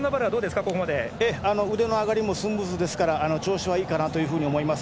腕の上がりもスムーズですから調子もいいかなと思います。